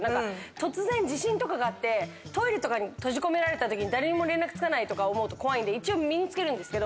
突然地震とかがあってトイレとかに閉じ込められた時に誰にも連絡つかないとか思うと怖いんで一応身に着けるんですけど。